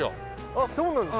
あっそうなんですね。